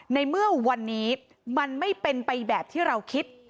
ในเมื่อวันนี้มันไม่เป็นไปแบบที่เราคิด